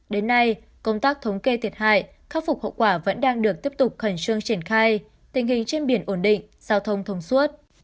đến nay công tác thống kê thiệt hại khắc phục hậu quả vẫn đang được tiếp tục khẩn trương triển khai tình hình trên biển ổn định giao thông thông suốt